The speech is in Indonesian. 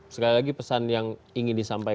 sekali lagi pesan yang ingin disampaikan